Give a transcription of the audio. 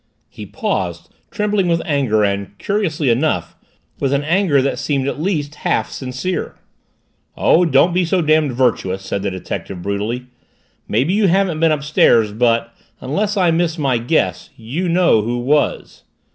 He paused, trembling with anger and, curiously enough, with an anger that seemed at least half sincere. "Oh, don't be so damned virtuous!" said the detective brutally. "Maybe you haven't been upstairs but unless I miss my guess, you know who was!"